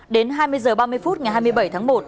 đến hai mươi h ba mươi phút ngày hai mươi bảy tháng một